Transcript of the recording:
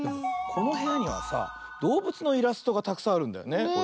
このへやにはさどうぶつのイラストがたくさんあるんだよね。